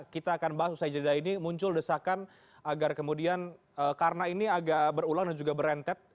kita akan bahas usai jeda ini muncul desakan agar kemudian karena ini agak berulang dan juga berentet